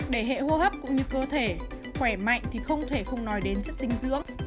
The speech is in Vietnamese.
để hệ hô hấp cũng như cơ thể khỏe mạnh thì không thể không nói đến chất sinh dựng